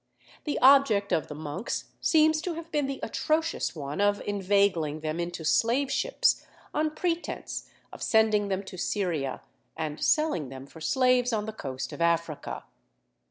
The object of the monks seems to have been the atrocious one of inveigling them into slave ships, on pretence of sending them to Syria, and selling them for slaves on the coast of Africa.